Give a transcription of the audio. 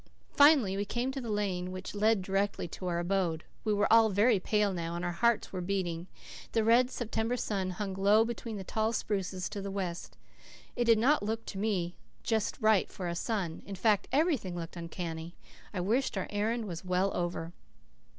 Finally we came to the lane which led directly to her abode. We were all very pale now, and our hearts were beating. The red September sun hung low between the tall spruces to the west. It did not look to me just right for a sun. In fact, everything looked uncanny. I wished our errand were well over.